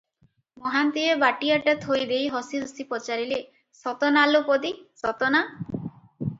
ମହାନ୍ତିଏ ବାଟିଆଟା ଥୋଇ ଦେଇ ହସି ହସି ପଚାରିଲେ, "ସତ ନା ଲୋ ପଦୀ, ସତ ନା?"